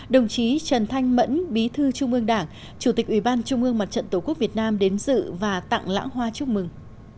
đồng chí trần thanh mẫn bí thư trung ương đảng chủ tịch ủy ban trung ương mặt trận tổ quốc việt nam đến dự và tặng lãng hoa chúc mừng